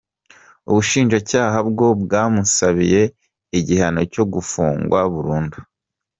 Ubushinjacyaha bwo bwamusabiye igihano cyo gufungwa burundu.